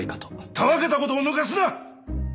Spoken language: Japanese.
たわけたことをぬかすな！